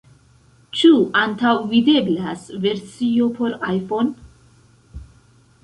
Ĉu antaŭvideblas versio por iPhone?